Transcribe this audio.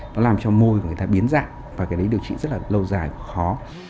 nó làm cho môi của người ta biến dạng và cái đấy điều trị rất là lâu dài khó